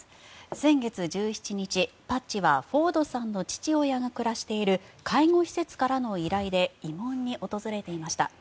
先月１７日、パッチはフォードさんの父親が暮らしている介護施設からの依頼で慰問に訪れていました。